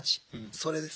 それです。